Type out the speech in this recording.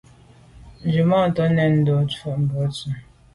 Nzwimàntô nèn ndo’ fotmbwe se.